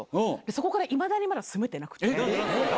そこからいまだにまだ住めてなくなんでなんで。